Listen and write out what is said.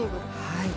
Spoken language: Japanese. はい。